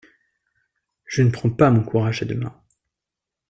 Je ne prends pas mon courage à deux mains.